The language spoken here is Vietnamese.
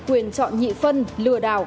quyền chọn nhị phân lừa đảo